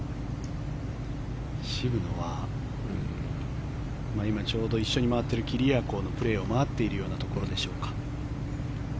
渋野は今、ちょうど一緒に回っているキリアコーのプレーを待っているようなところでしょうか。